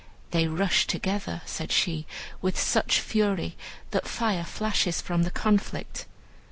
"They rush together," said she, "with such fury that fire flashes from the conflict.